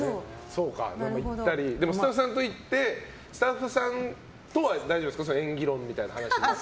スタッフさんと行ってスタッフさんとは大丈夫ですか演技論みたいな話になっても。